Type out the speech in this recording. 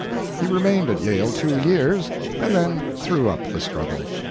He remained at Yale two years, and then threw up the struggle.